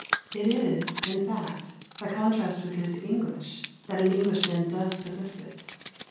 It is, in fact, by contrast with his English that an Englishman does possess it.